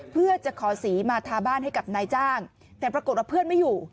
เพื่อจะขอสีมาทาบ้านให้กับนายจ้างแต่ปรากฏว่าเพื่อนไม่อยู่